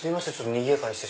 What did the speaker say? にぎやかにして。